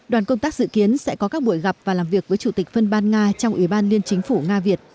đoàn công tác dự kiến sẽ có các buổi gặp và làm việc với chủ tịch phân ban nga trong ủy ban liên chính phủ nga việt